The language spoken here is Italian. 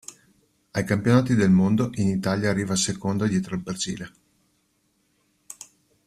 Ai campionati del mondo, in Italia arriva secondo dietro al Brasile.